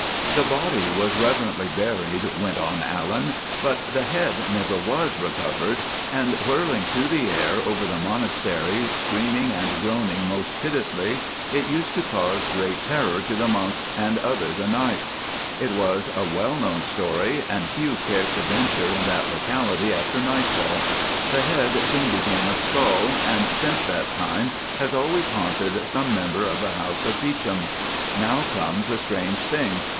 "The body was reverently buried," went on Allan, "but the head never was recovered, and, whirling through the air over the monastery, screaming and groaning most pitifully, it used to cause great terror to the monks and others o' nights. It was a well known story, and few cared to venture in that locality after nightfall. The head soon became a skull, and since that time has always haunted some member of the house of Beauchamp. Now comes a strange thing.